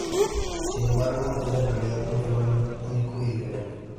Sin embargo, es en realidad un fenómeno único y diferente.